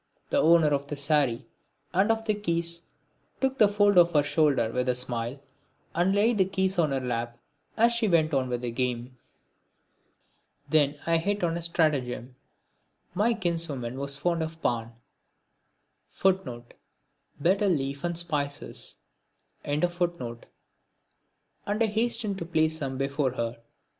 The owner of the sari and of the keys took the fold off her shoulder with a smile, and laid the keys on her lap as she went on with the game. Then I hit on a stratagem. My kinswoman was fond of pan, and I hastened to place some before her.